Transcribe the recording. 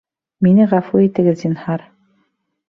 Мине ғәфү итегеҙ, зинһар